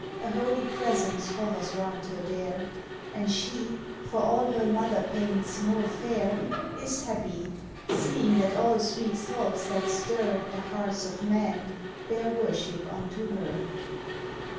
A holy presence hovers round her there, And she, for all her mother pains more fair, Is happy, seeing that all sweet thoughts that stir The hearts of men bear worship unto her.